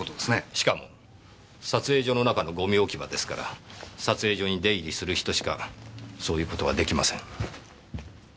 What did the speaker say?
しかも撮影所の中のゴミ置き場ですから撮影所に出入りする人しかそういうことは出来ません。